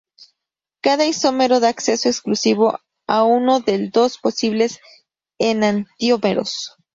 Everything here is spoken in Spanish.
Cada isómero da acceso exclusivo a uno del dos posibles enantiómeros.